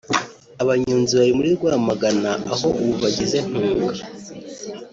Abanyonzi bari muri Rwamagana aho ubu bageze Ntunga